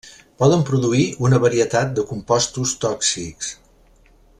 Poden produir una varietat de compostos tòxics.